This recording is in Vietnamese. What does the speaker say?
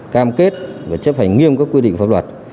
cam kết và chấp hành nghiêm các quy định pháp luật